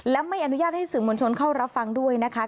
และไม่อนุญาตให้สื่อมวลชนเข้ารับฟังด้วยนะคะ